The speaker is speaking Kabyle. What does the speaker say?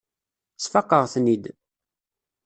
Sfaqeɣ-ten-id.